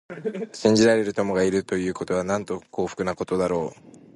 信じられる友がいるということは、なんと幸福なことだろう。